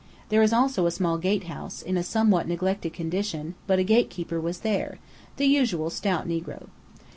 There is also a small gatehouse, in a somewhat neglected condition; but a gatekeeper was there: the usual stout negro.